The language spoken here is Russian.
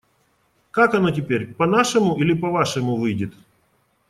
Как оно теперь: по-нашему или по-вашему выйдет?